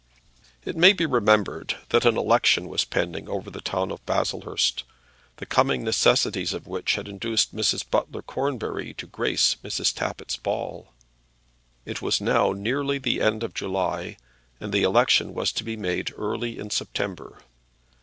It may be remembered that an election was impending over the town of Baslehurst, the coming necessities of which had induced Mrs. Butler Cornbury to grace Mrs. Tappitt's ball. It was now nearly the end of July, and the election was to be made early in September.